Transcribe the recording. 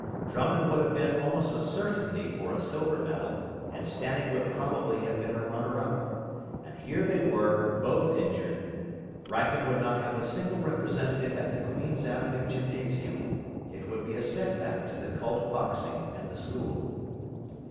Drummond would have been almost a certainty for a silver medal, and Stanning would probably have been a runner up. And here they were, both injured; Wrykyn would not have a single representative at the Queen's Avenue Gymnasium. It would be a set back to the cult of boxing at the school.